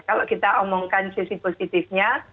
kalau kita omongkan sisi positifnya